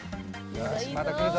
よしまたくるぞ！